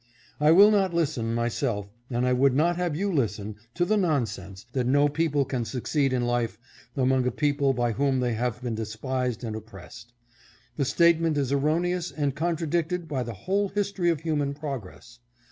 I will not listen, myself, and I would not have you listen to the nonsense, that no people can succeed in life among a people by whom they have been despised and oppressed. The statement is erroneous and contradicted by the whole history of human progress.